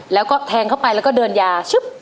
แล้วก็แทงเข้าไปแล้วก็เดินยาชึบ